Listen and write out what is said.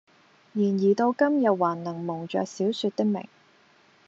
然而到今日還能蒙着小說的名，